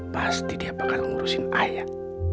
pasti dia bakal ngurusin ayah